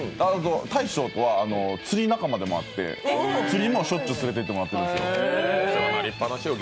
大将とは釣り仲間でもあって釣りもしょっちゅう連れてってもらってます。